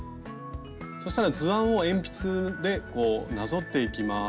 そしたら図案を鉛筆でこうなぞっていきます。